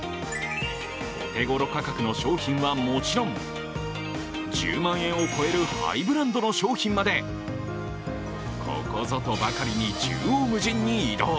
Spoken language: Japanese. お手頃価格の商品はもちろん１０万円を超えるハイブランドの商品までここぞとばかりに縦横無尽に移動。